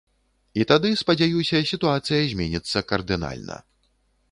І тады, спадзяюся, сітуацыя зменіцца кардынальна.